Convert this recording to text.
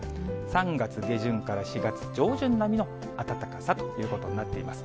３月下旬から４月上旬並みの暖かさということになっています。